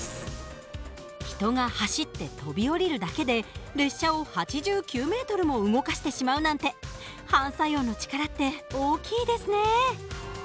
人が走って跳び降りるだけで列車を８９ｍも動かしてしまうなんて反作用の力って大きいですね。